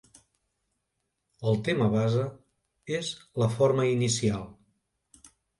El tema base és la forma inicial.